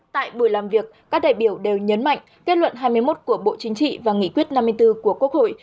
tại buổi làm việc các đại biểu đều nhấn mạnh kết luận hai mươi một của bộ chính trị và nghị quyết năm mươi bốn của quốc hội